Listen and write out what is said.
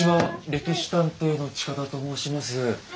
「歴史探偵」の近田と申します。